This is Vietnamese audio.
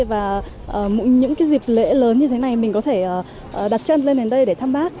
và những dịp lễ lớn như thế này mình có thể đặt chân lên đến đây để thăm bác